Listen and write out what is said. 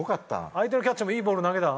相手のキャッチャーもいいボール投げた。